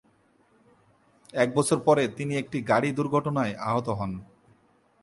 এক বছর পরে, তিনি একটি গাড়ি দুর্ঘটনায় আহত হন।